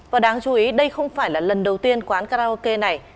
và đáng chú ý đây không phải là lần đầu tiên quán karaoke này